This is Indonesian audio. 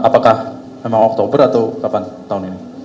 apakah memang oktober atau kapan tahun ini